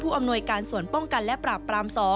อำนวยการส่วนป้องกันและปราบปราม๒